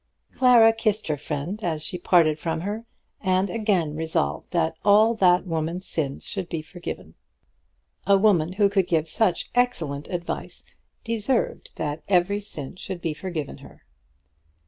Clara kissed her friend as she parted from her, and again resolved that all that woman's sins should be forgiven her. A woman who could give such excellent advice deserved that every sin should be forgiven her.